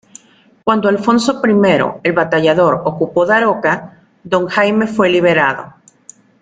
Cuando Alfonso I el Batallador ocupó Daroca, don Jaime fue liberado.